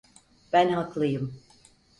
Ben haklıyım.